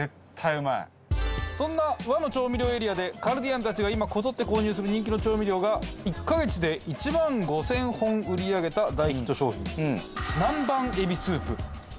そんな和の調味料エリアでカルディアンたちが今こぞって購入する人気の調味料が１カ月で１万５０００本売り上げた大ヒット商品南蛮えびスープです。